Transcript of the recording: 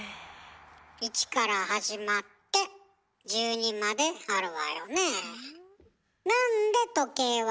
１から始まって１２まであるわよね。